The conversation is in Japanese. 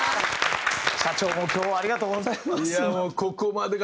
社長も今日はありがとうございます。